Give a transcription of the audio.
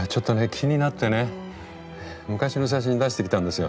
気になってね昔の写真出してきたんですよ。